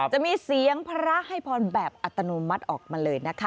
จะมีเสียงพระให้พรแบบอัตโนมัติออกมาเลยนะคะ